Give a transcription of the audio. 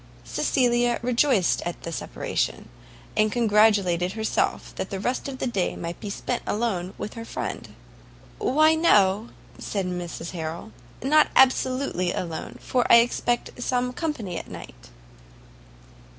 Cecilia rejoiced at the separation, and congratulated herself that the rest of the day might be spent alone with her friend. "Why, no," said Mrs Harrel, "not absolutely alone, for I expect some company at night."